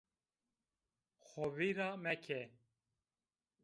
Xo vîr ra meke!